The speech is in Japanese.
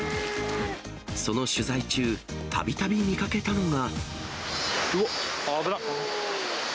その取材中、たびたび見かけたのうわっ、危ない。